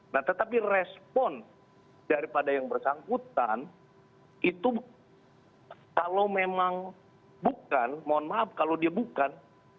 nah tetapi respon daripada yang bersangkutan itu kalau memang bukan mohon maaf kalau dia bukan